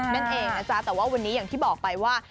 นั่นเองนะจ๊ะแต่ว่าวันนี้อย่างที่บอกไปว่า